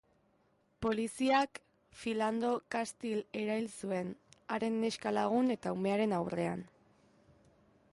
Poliziak Philando Castile erail zuen, haren neska-lagun eta umearen aurrean.